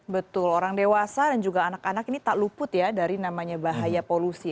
betul orang dewasa dan juga anak anak ini tak luput ya dari namanya bahaya polusi